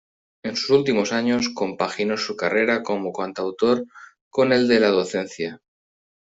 En sus últimos años compaginó su carrera como cantautor con el de la docencia.